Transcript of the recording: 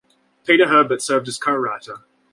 Peter Herbert served as co-writer.